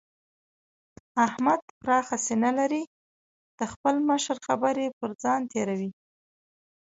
احمد پراخه سينه لري؛ د خپل مشر خبرې پر ځان تېروي.